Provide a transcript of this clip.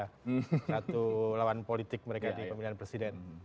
sebagai perempuan politik mereka di pemilihan presiden